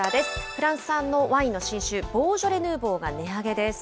フランス産のワインの新酒、ボージョレ・ヌーボーが値上げです。